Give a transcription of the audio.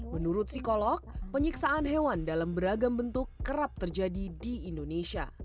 menurut psikolog penyiksaan hewan dalam beragam bentuk kerap terjadi di indonesia